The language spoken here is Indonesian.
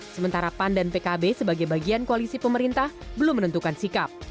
sementara pan dan pkb sebagai bagian koalisi pemerintah belum menentukan sikap